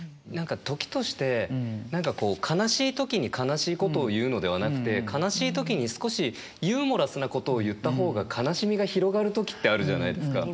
時として何かこう悲しい時に悲しいことを言うのではなくて悲しい時に少しユーモラスなことを言った方が悲しみが広がる時ってあるじゃないですか。